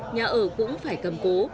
nhà ở cũng phải cầm cố